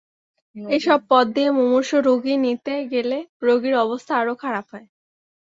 এসব পথ দিয়ে মুমূর্ষু রোগী নিতে গেলে রোগীর অবস্থা আরও খারাপ হয়।